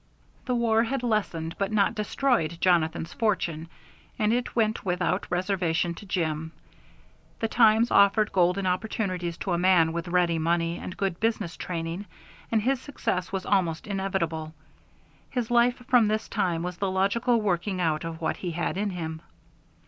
The war had lessened but not destroyed Jonathan's fortune, and it went without reservation to Jim. The times offered golden opportunities to a man with ready money and good business training, and his success was almost inevitable. His life from this time was the logical working out of what he had in him.